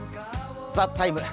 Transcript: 「ＴＨＥＴＩＭＥ，」